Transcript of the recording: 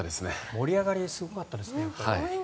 盛り上がりがすごかったですね。